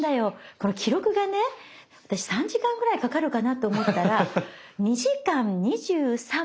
この記録がね私３時間ぐらいかかるかなと思ったら２時間２３分０２秒。